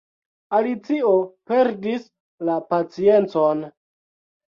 Alicio perdis la paciencon.